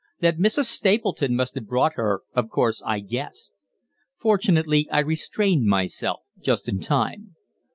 That Mrs. Stapleton must have brought her, of course I guessed. Fortunately I restrained myself just in time.